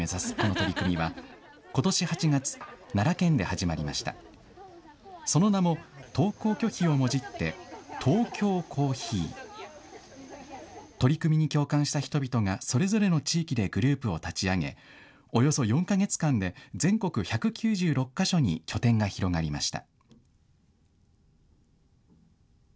取り組みに共感した人々がそれぞれの地域でグループを立ち上げ、およそ４か月間で全国１９６か所に拠点が広がりました。